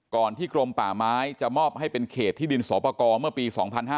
ที่กรมป่าไม้จะมอบให้เป็นเขตที่ดินสอปกรเมื่อปี๒๕๕๙